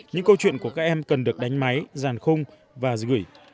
những câu chuyện của các em cần được đánh máy giàn khung và gửi